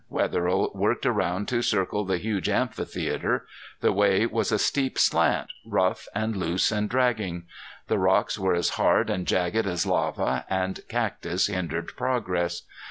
Wetherill worked around to circle the huge amphitheater. The way was a steep slant, rough and loose and dragging. The rocks were as hard and jagged as lava, and cactus hindered progress.